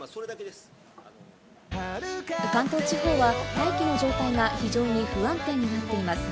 関東地方は大気の状態が非常に不安定になっています。